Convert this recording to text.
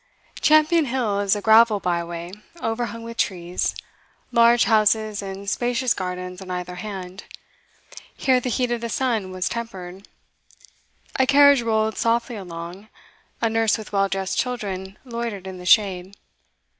Champion Hill is a gravel byway, overhung with trees; large houses and spacious gardens on either hand. Here the heat of the sun was tempered. A carriage rolled softly along; a nurse with well dressed children loitered in the shade.